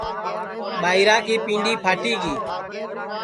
ٻائرا کی پینٚدؔی پھاٹی گی